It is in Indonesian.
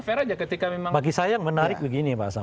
fair aja ketika memang bagi saya menarik begini